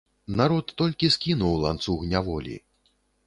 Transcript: Народ толькі скінуў ланцуг няволі.